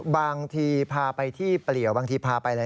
บางทีพาไปที่เปลี่ยวบางทีพาไปอะไร